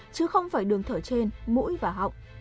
chứ không phải đường thở trên mũi và họng